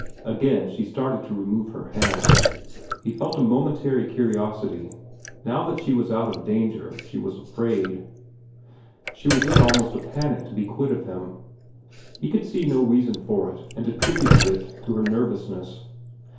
Again she started to remove her hand. He felt a momentary curiosity. Now that she was out of danger she was afraid. She was in almost a panic to be quit of him. He could see no reason for it and attributed it to her nervousness.